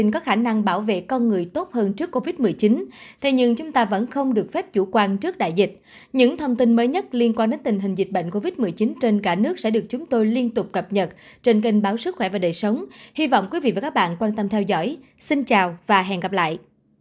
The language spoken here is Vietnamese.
cảm ơn các bạn đã theo dõi và hẹn gặp lại